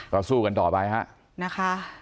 เราสู้กันต่อไปฮะ